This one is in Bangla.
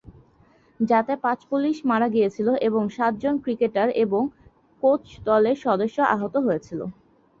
যাতে পাঁচ পুলিশ মারা গিয়েছিল এবং সাত জন ক্রিকেটার এবং কোচ দলের সদস্য আহত হয়েছিল।